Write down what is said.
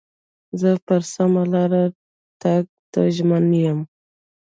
زه پر سمه لار تګ ته ژمن یم.